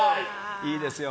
いいですよ。